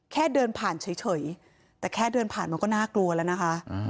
แค่เดินผ่านเฉยแต่แค่เดินผ่านมันก็น่ากลัวแล้วนะคะ